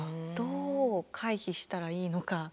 どう回避したらいいのか。